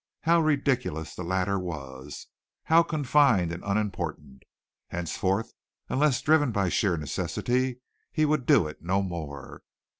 How ridiculous the latter was, how confined and unimportant. Henceforth, unless driven by sheer necessity, he would do it no more.